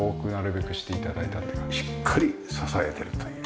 しっかり支えているという。